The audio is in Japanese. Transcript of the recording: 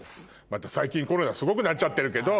また最近コロナすごくなっちゃってるけど。